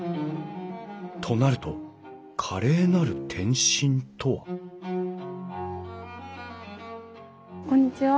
となると華麗なる転身とはこんにちは。